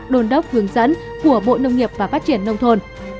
đồn đốc hướng dẫn của bộ nông nghiệp và phát triển nông thôn